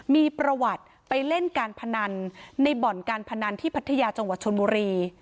มีประวัติไปเล่นการพนันในบ่อนการพนันที่พัทยาจังหวัดชนบุรี